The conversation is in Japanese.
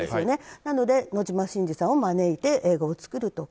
なので野島伸司さんを招いて、映画を作るとか。